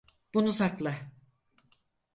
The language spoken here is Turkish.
Bunu sakla.